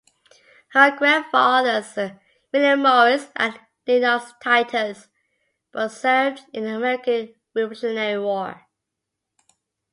Her grandfathers William Morris and Lenox Titus both served in the American Revolutionary War.